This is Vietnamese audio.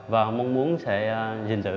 và mong muốn sẽ dình dự